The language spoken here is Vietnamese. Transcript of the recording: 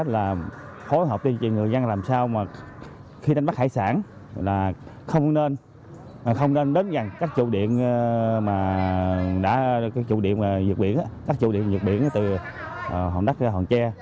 và phối hợp với người dân làm sao mà khi đánh bắt hải sản là không nên đến các trụ điện dược biển từ hòn đất ra hòn tre